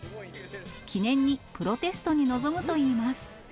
記念にプロテストに臨むといいます。